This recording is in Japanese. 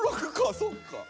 そっか。